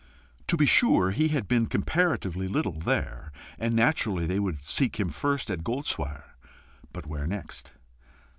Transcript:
To be sure, he had been comparatively little there, and naturally they would seek him first at Goldswyre but where next?